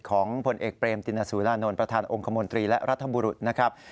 ของผลเอกเบรมตินสุรานนท์ประธานองค์คมนตรีและรัฐบุรุษนะครับ